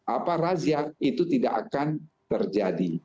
apa razia itu tidak akan terjadi